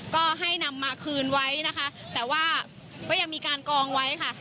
ก็ให้นำมาคืนไว้นะคะแต่ว่าก็ยังมีการกองไว้ค่ะ